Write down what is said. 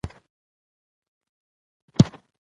د اطاق تجارت له رئیس او د مستهلکینو